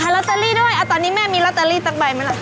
ลอตเตอรี่ด้วยตอนนี้แม่มีลอตเตอรี่สักใบไหมล่ะ